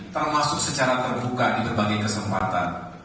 termasuk secara terbuka di berbagai kesempatan